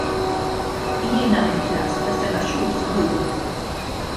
Jiena għamilt lapse ta' seba' xhur żgur.